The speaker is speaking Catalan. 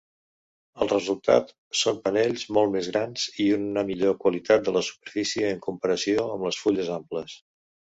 El resultat són panells molt més grans i una millor qualitat de la superfície, en comparació amb les fulles amples.